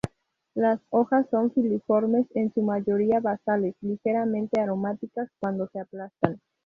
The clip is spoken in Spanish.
Las hojas son filiformes, en su mayoría basales, ligeramente aromáticas cuando se aplastan.